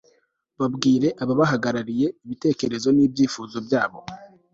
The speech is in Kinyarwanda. babwire ababahagarariye ibitekerezo n'ibyifuzo byabo